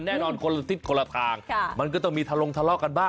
แน่นอนคนละทิศคนละทางมันก็ต้องมีทะลงทะเลาะกันบ้าง